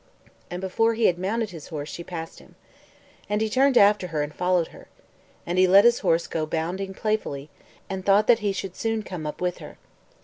And before he had mounted his horse she passed him. And he turned after her and followed her. And he let his horse go bounding playfully, and thought that he should soon come up with her.